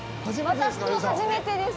私も初めてです。